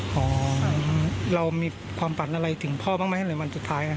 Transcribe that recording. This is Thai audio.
พอเรามีความฝันอะไรถึงพ่อบ้างไหมหรือวันสุดท้าย